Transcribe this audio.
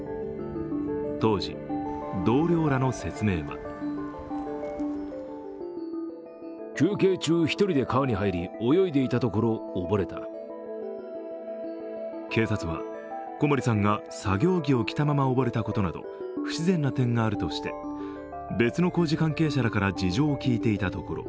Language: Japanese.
当時、同僚らの説明は警察は小森さんが作業着を着たまま溺れたことなど、不自然な点があるとして、別の工事関係者らから事情を聞いていたところ